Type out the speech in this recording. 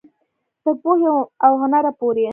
تر پوهې او هنره پورې.